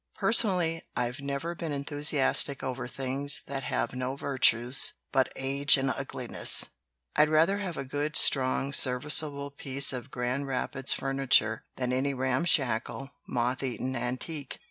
"Personally, I've never been enthusiastic over things that have no virtues but age and ugliness. I'd rather have a good, strong, serviceable piece of Grand Rapids furniture than any ramshackle, moth eaten antique."